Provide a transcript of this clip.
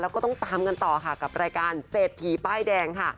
แล้วก็ต้องตามกันต่อกับรายการเศรษฐ์ขี่ป้ายแดง